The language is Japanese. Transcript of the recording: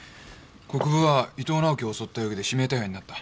国府は伊藤直季を襲った容疑で指名手配になった。